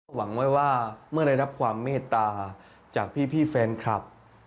หวังไว้ว่าเมื่อได้รับความเมตตาจากพี่แฟนคลับ